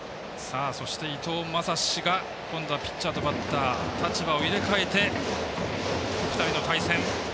そして、伊藤将司が今度はピッチャーとバッター立場を入れ替えて、２人の対戦。